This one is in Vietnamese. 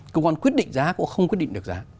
cơ quan quyết định giá cũng không quyết định được giá